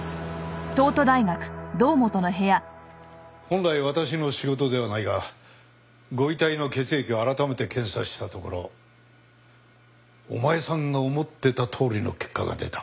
本来私の仕事ではないがご遺体の血液を改めて検査したところお前さんが思ってたとおりの結果が出た。